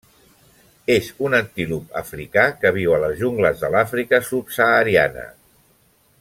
És un antílop africà que viu a les jungles de l'Àfrica subsahariana.